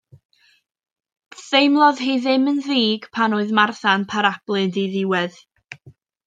Theimlodd hi ddim yn ddig pan oedd Martha yn parablu'n ddiddiwedd.